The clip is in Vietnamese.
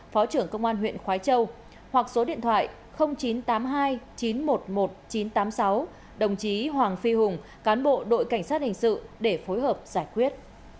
phó trưởng công an huyện khói châu hoặc số điện thoại chín trăm tám mươi hai chín trăm một mươi một chín trăm tám mươi sáu đồng chí hoàng phi hùng cán bộ đội cảnh sát hình sự để phối hợp giải quyết